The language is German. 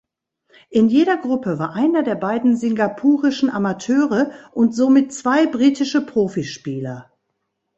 In jeder Gruppe war einer der beiden singapurischen Amateure und somit zwei britische Profispieler.